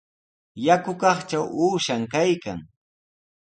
Yakukaqtraw uushan kaykan.